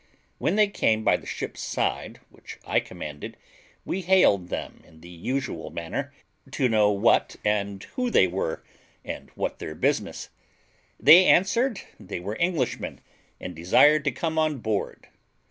When they came by the ship's side which I commanded we hailed them in the usual manner, to know what and who they were, and what their business. They answered they were Englishmen, and desired to come on board.